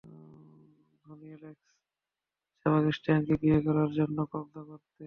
ধনী অ্যালেক্স সেবাস্টিয়ানকে বিয়ে করার জন্য কব্জা করতে?